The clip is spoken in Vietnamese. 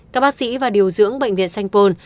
các bác sĩ và điều dưỡng bệnh viện sanh pôn